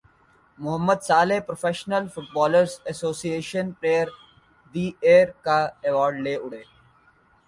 Muhammad Salah professional footballers association player the year کا award لے اڑے